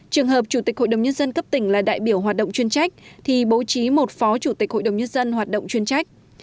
trường hợp chủ tịch hội đồng nhân dân cấp tỉnh là đại biểu hoạt động chuyên trách thì bố trí một phó chủ tịch hội đồng nhân dân hoạt động chuyên trách